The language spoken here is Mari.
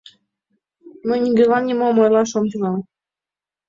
— Мый нигӧлан нимом ойлаш ом тӱҥал.